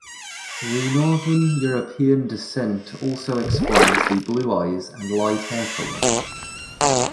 The Northern European descent also explains the blue eyes and light hair color.